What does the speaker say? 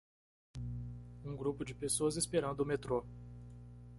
Um grupo de pessoas esperando o metrô.